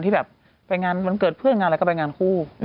มันเกิดเพื่อนงานแล้วก็ไปงานคู่